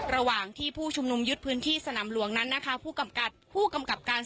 และ